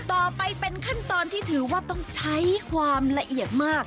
ต่อไปเป็นขั้นตอนที่ถือว่าต้องใช้ความละเอียดมาก